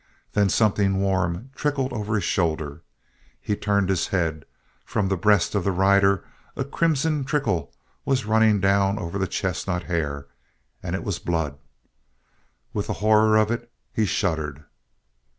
Then something warm trickled down over his shoulder. He turned his head. From the breast of the rider a crimson trickle was running down over the chestnut hair, and it was blood. With the horror of it he shuddered.